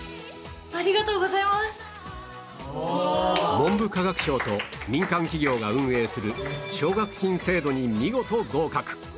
文部科学省と民間企業が運営する奨学金制度に見事合格